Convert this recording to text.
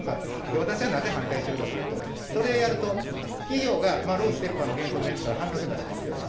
私はなぜ反対しているのかというと、それをやると、企業が、労使折半の原則ですから、半額出しますよね。